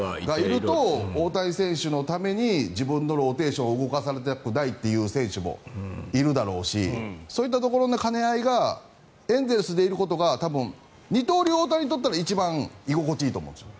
いると、大谷選手のために自分のローテーションを動かされたくないという選手もいるだろうしそういったところの兼ね合いがエンゼルスでいることが多分、二刀流・大谷にとっては一番、居心地がいいと思うんですよ。